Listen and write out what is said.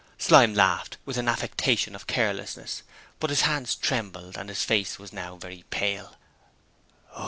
Slyme laughed with an affectation of carelessness, but his hands trembled and his face was now very pale.